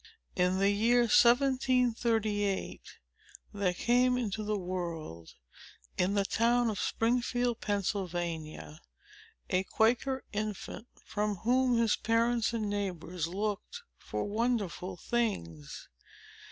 In the year 1738, there came into the world, in the town of Springfield, Pennsylvania, a Quaker infant, from whom his parents and neighbors looked for wonderful things.